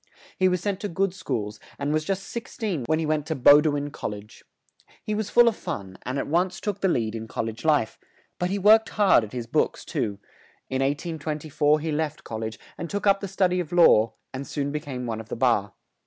He was sent to good schools, and was just six teen when he went to Bow do in Col lege. He was full of fun, and at once took the lead in the col lege life; but he worked hard at his books too; in 1824 he left col lege, and took up the stud y of law, and soon be came one of the bar.